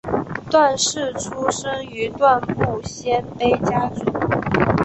段氏出身于段部鲜卑家族。